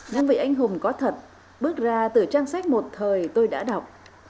những vị anh hùng có thật bước ra từ trang sách một thời tôi đã đọc